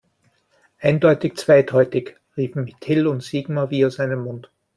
Eindeutig zweideutig, riefen Till und Sigmar wie aus einem Munde.